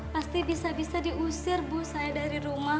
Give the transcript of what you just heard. pasti bisa bisa diusir bu saya dari rumah